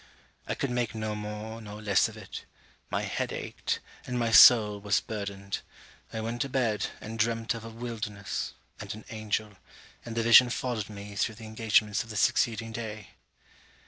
I could make no more nor less of it. My head ached; and my soul was burthened. I went to bed, and dreamt of a wilderness, and an angel; and the vision followed me through the engagements of the succeeding day.